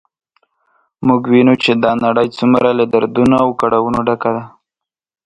موږ وینو چې دا نړی څومره له دردونو او کړاوونو ډکه ده